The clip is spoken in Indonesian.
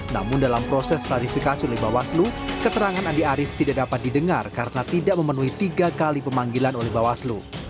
namun dalam proses klarifikasi oleh bawaslu keterangan andi arief tidak dapat didengar karena tidak memenuhi tiga kali pemanggilan oleh bawaslu